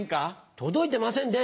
届いてませんね。